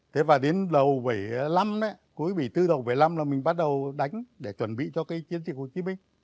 thế và đến đầu bảy mươi năm cuối bảy mươi bốn đầu bảy mươi năm là mình bắt đầu đánh để chuẩn bị cho cái chiến dịch hồ chí minh